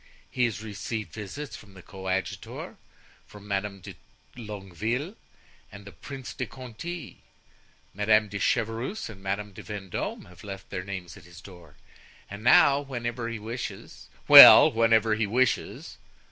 He has received visits from the coadjutor, from Madame de Longueville, and the Prince de Conti; Madame de Chevreuse and Madame de Vendome have left their names at his door. And now, whenever he wishes——" "Well, whenever he wishes?"